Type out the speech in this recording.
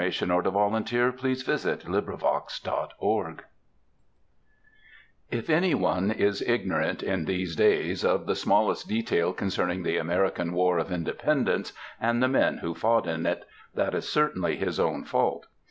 TWO CENTURIES OF AMERICAN WOMEN If anyone is ignorant in these days of the smallest detail concerning the American War of Independence and the men who fought in it, that is certainly his own fault.